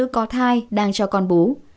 có thai đang cho con bú